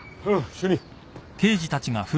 主任。